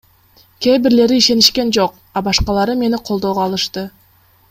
Кээ бирлери ишенишкен жок, а башкалары мени колдоого алышты.